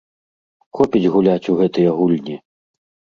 Хопіць гуляць у гэтыя гульні.